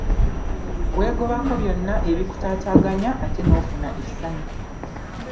Weegobako byonna ebikutaataganya ate n'ofuna essanyu.